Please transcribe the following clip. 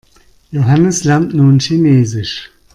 Johannes lernt nun Chinesisch.